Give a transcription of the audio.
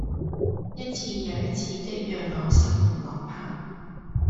一次又一次的讓我失魂落魄